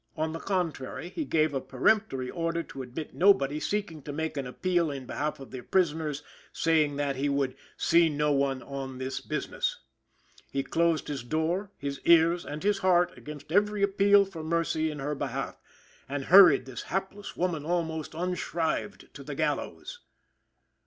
On the contrary, he gave a peremptory order to admit nobody seeking to make an appeal in behalf of the prisoners, saying that he would 'see no one on this business.' "He closed his door, his ears, and his heart against every appeal for mercy in her behalf, and hurried this hapless woman almost unshrived to the gallows."